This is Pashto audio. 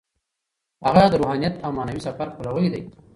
هغه د روحانیت او معنوي سفر پلوی دی.